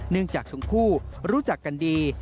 เนื่องจากทุกผู้รู้จักกันดี